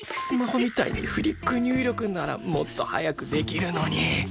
スマホみたいにフリック入力ならもっと早くできるのに！